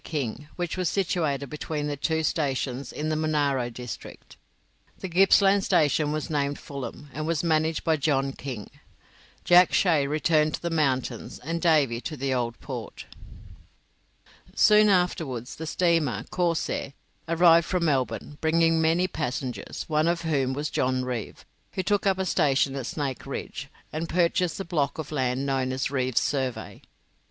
King, which was situated between their two stations in the Monaro district. The Gippsland station was named Fulham, and was managed by John King. Jack Shay returned to the mountains, and Davy to the Old Port. Soon afterwards the steamer 'Corsair' arrived from Melbourne, bringing many passengers, one of whom was John Reeve, who took up a station at Snake Ridge, and purchased the block of land known as Reeve's Survey.